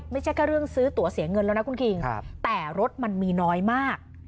ไม่ใช่แค่เรื่องซื้อตัวเสียเงินแล้วนะคุณคิงแต่รถมันมีน้อยมาก